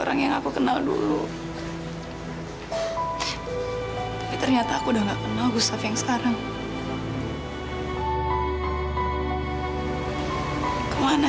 jangan maju ke depan